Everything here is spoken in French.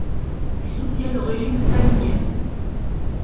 Il soutient le régime stalinien.